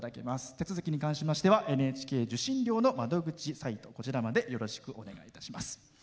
手続きに関しましてＮＨＫ受信料の窓口サイトまでよろしくお願いいたします。